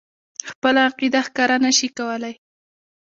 خپله عقیده ښکاره نه شي کولای.